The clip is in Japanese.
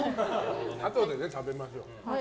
あとで食べましょうね。